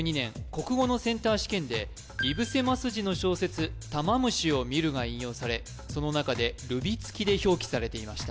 国語のセンター試験で井伏鱒二の小説「たま虫を見る」が引用されその中でルビ付きで表記されていました